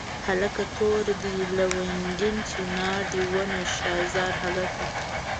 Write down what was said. هلکه توره دې لونګۍ چنار دې ونه شاه زار هلکه.